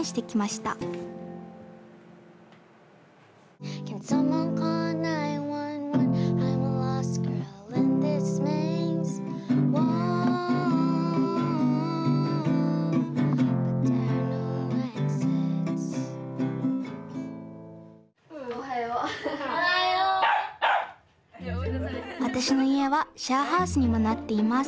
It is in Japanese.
わたしのいえはシェアハウスにもなっています。